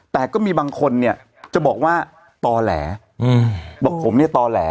แต่ก็มีบางคนเนี่ยจะบอกว่าต่อแหลบอกผมเนี่ยต่อแหล